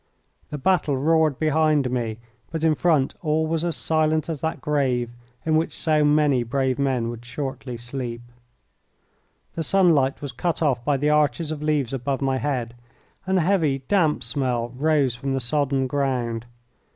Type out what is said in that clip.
The battle roared behind me, but in front all was as silent as that grave in which so many brave men would shortly sleep. The sunlight was cut off by the arches of leaves above my head, and a heavy damp smell rose from the sodden ground.